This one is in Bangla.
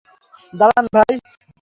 দাঁড়ান, ভাই।